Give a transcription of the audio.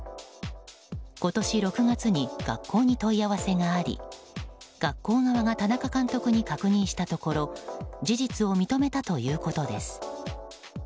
今年６月に学校に問い合わせがあり学校側が田中監督に確認したところ事実を認めたということです。